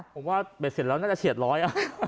ผมว่าเบ็ดเสร็จแล้วน่าจะเฉียดร้อยอ่ะ